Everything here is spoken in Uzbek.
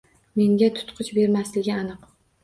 Menga tutqich bermasligi aniq.